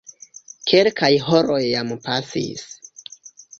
Kelkaj horoj jam pasis.